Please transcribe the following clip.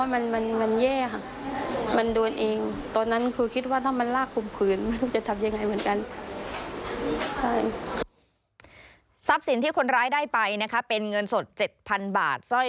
มันมันมันแย่ค่ะ